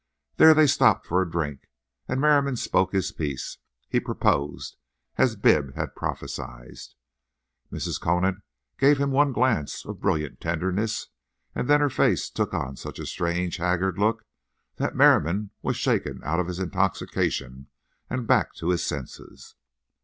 There they stopped for a drink, and Merriam spoke his piece—he proposed, as Bibb had prophesied. Mrs. Conant gave him one glance of brilliant tenderness, and then her face took on such a strange, haggard look that Merriam was shaken out of his intoxication and back to his senses.